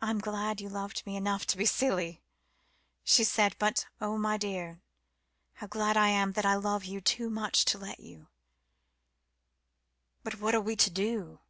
"I'm glad you loved me enough to be silly," she said; "but, oh, my dear, how glad I am that I love you too much to let you." "But what are we to do?"